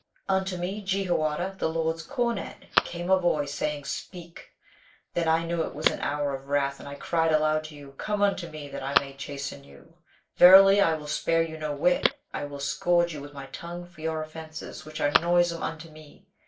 "Unto me, Jehoiada, the Lord's cornet, came a voice saying, 'Speak !' Then I knew it was an hour of wrath, and I cried aloud to you, 'Come unto me, that I may chasten you.' Verily, I will spare you no whit. I will scourge you with my tongue for your offenses, which are noisome unto me."